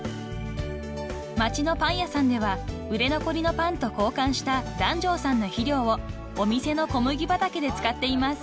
［街のパン屋さんでは売れ残りのパンと交換した檀上さんの肥料をお店の小麦畑で使っています］